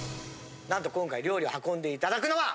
なんと今回料理を運んで頂くのは？